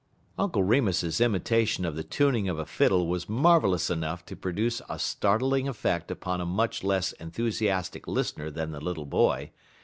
_" Uncle Remus's imitation of the tuning of a fiddle was marvellous enough to produce a startling effect upon a much less enthusiastic listener than the little boy.